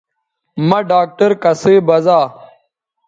مہ ڈاکٹر کسئ بزا